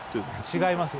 違います。